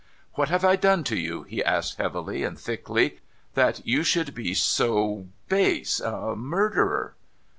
' What have I done to you,' he asked, heavily and thickly, ' that you should be — so base^a murderer